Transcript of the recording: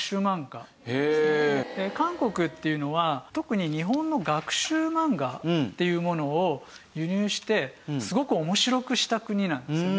韓国っていうのは特に日本の学習漫画っていうものを輸入してすごく面白くした国なんですよね。